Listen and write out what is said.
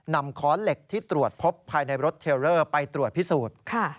ค้อนเหล็กที่ตรวจพบภายในรถเทลเลอร์ไปตรวจพิสูจน์